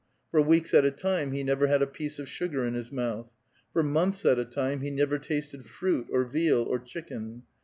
Foir weeks at a time he never had a piece oF sugar in his mouth ^ for months at a time he never tasted fruit, or venl, or chicken